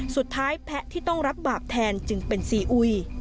สุดท้ายแพะที่ต้องรับบาปแทนจึงเป็นซีอุย